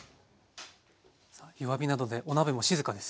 弱火なのでお鍋も静かです。